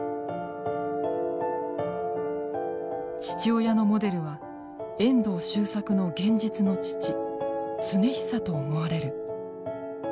父親のモデルは遠藤周作の現実の父常久と思われる。